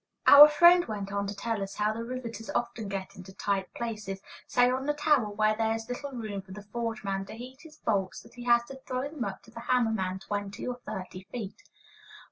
Our friend went on to tell us how the riveters often get into tight places, say on the tower, where there is so little room for the forge man to heat his bolts that he has to throw them up to the hammer man, twenty or thirty feet.